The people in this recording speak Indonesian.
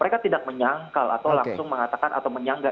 mereka tidak menyangkal atau langsung mengatakan atau menyangga